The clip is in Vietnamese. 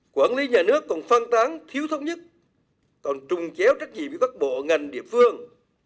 quản lý nhà nước còn phan tán thiếu thông nhất còn trùng chéo trách nhiệm với các bộ ngành địa phương